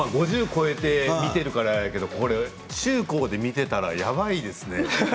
５０超えて見ているからあれやけど、中高で見てたらやばいですね。